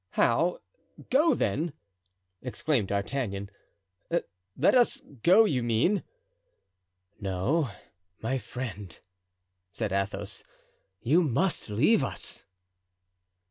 "How, go then?" exclaimed D'Artagnan. "Let us go, you mean?" "No, my friend," said Athos, "you must leave us."